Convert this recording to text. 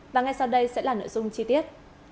và ngay sau đây sẽ là nội dung chi tiết